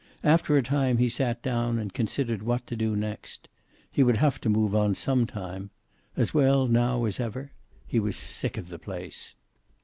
After a time he sat down and considered what to do next. He would have to move on some time. As well now as ever. He was sick of the place.